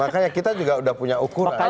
makanya kita juga udah punya ukuran